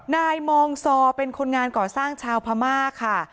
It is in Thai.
นายมองซอเป็นคนงานก่อสร้างชาวพม่าค่ะ